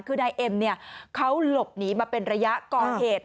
คือในเอ็มเขาหลบหนีมาเป็นระยะก่อเหตุ